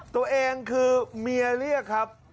ตัวเองคือเมียเรียกครับ